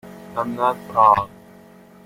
I'm not proud.